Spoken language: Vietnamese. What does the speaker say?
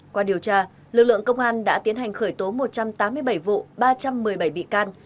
qua điều tra lực lượng công an đã tiến hành khởi tố một trăm tám mươi bảy vụ ba trăm một mươi bảy bị can